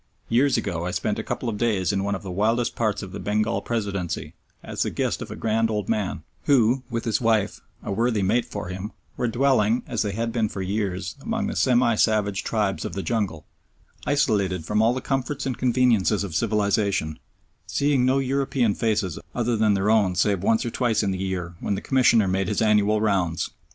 Years ago I spent a couple of days in one of the wildest parts of the Bengal Presidency as the guest of a grand old man who, with his wife a worthy mate for him were dwelling, as they had been for years, among the semi savage tribes of the jungle, isolated from all the comforts and conveniences of civilisation, seeing no European faces other than their own save once or twice in the year when the Commissioner made his annual rounds.